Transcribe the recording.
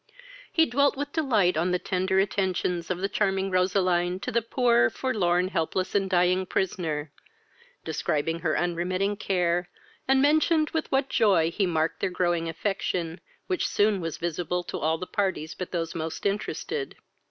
He dwelt with delight on the tender attentions of the charming Roseline to the poor, forlorn, helpless, and dying prisoner; described her unremitting care, and mentioned with what joy he marked their growing affection, which was soon visible to all the parties but those most interested.